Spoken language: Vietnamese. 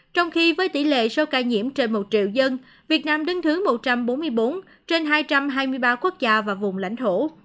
trong khi với tỷ lệ số ca nhiễm trên một triệu dân việt nam đứng thứ một trăm bốn mươi bốn trên hai trăm hai mươi ba quốc gia và vùng lãnh thổ